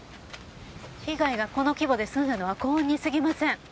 被害がこの規模で済んだのは幸運にすぎません。